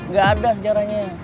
gak ada sejarahnya